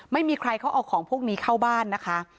ไม่มีใครเขาเอาของพวกนี้เข้าบ้านนะคะ